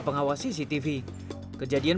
pengawas cctv kejadian